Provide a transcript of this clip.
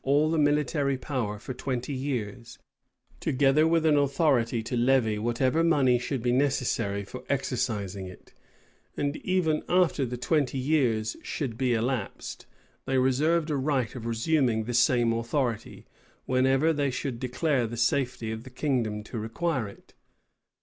By one, he was required to invest the parliament with the military power for twenty years, together with an authority to levy whatever money should be necessary for exercising it; and even after the twenty years should be elapsed, they reserved a right of resuming the same authority, whenever they should declare the safety of the kingdom to require it.